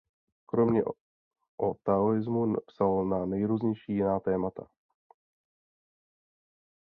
Kromě o taoismu psal na nejrůznější jiná témata.